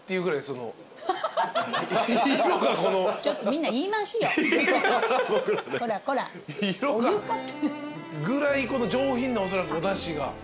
ぐらいこの上品なおそらくおだしが。